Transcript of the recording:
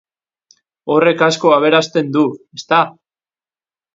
Horrek asko aberasten du, ezta?